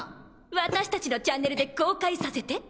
私たちのチャンネルで公開させて。